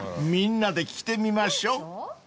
［みんなで着てみましょう］